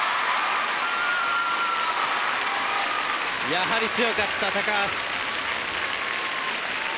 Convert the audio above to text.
やはり強かった橋。